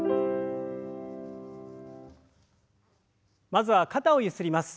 まずは肩をゆすります。